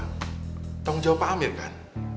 tanggung jawab pak amir kan